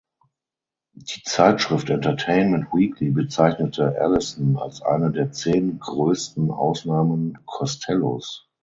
Die Zeitschrift Entertainment Weekly bezeichnete "Alison" als "eine der zehn größten Aufnahmen" Costellos.